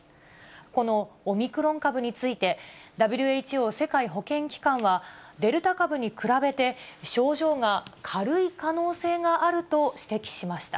このオミクロン株について、ＷＨＯ・世界保健機関は、デルタ株に比べて症状が軽い可能性があると指摘しました。